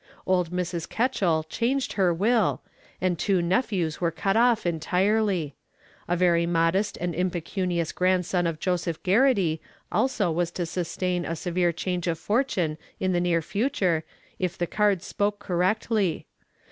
Old Mrs. Ketchell changed her will, and two nephews were cut off entirely; a very modest and impecunious grandson of Joseph Garrity also was to sustain a severe change of fortune in the near future, if the cards spoke correctly.